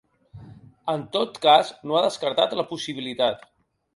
En tot cas, no ha descartat la possibilitat.